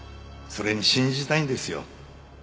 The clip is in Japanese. それに信じたいんですよ。